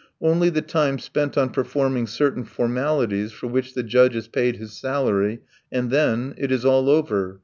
Only the time spent on performing certain formalities for which the judge is paid his salary, and then it is all over.